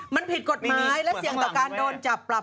มันผิดกฎหมายและเสี่ยงต่อการโดนจับปรับ